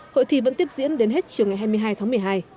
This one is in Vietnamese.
hội thi vẫn tiếp diễn đến hết chiều ngày hai mươi hai tháng một mươi hai